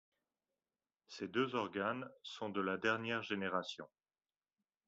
Ces deux organes sont de la dernière génération.